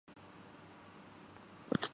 بچوں کو سلا دو